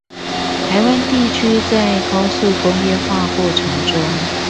台灣地區在高速工業化過裎中